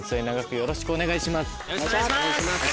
・よろしくお願いします！